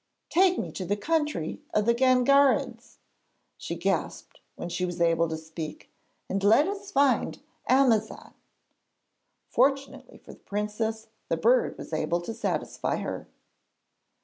'Take me to the country of the Gangarids,' she gasped when she was able to speak, 'and let us find Amazan.' Fortunately for the princess the bird was able to satisfy her.